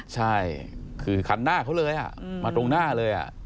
ใช่คือคันหน้าเขาเลยมาตรงหน้าเลย